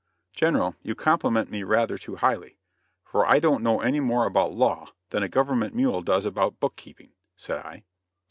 "General, you compliment me rather too highly, for I don't know any more about law than a government mule does about book keeping," said I.